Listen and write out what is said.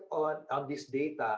di bawah kondisi